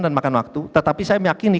dan makan waktu tetapi saya meyakini